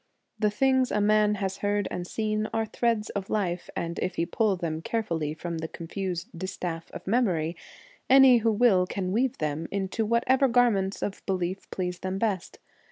The things a man has heard and seen are threads of life, and if he pull them care fully from the confused distaff of memory, any who will can weave them into what ever garments of belief please them best.